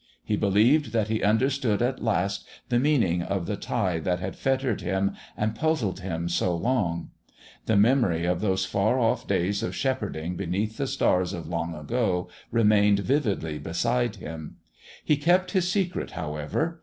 He believed that he understood at last the meaning of the tie that had fettered him and puzzled him so long. The memory of those far off days of shepherding beneath the stars of long ago remained vividly beside him. He kept his secret, however.